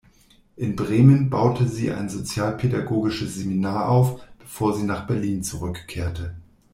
In Bremen baute sie ein sozialpädagogisches Seminar auf, bevor sie nach Berlin zurückkehrte.